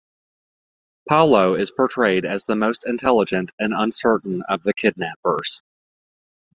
Paulo is portrayed as the most intelligent and uncertain of the kidnappers.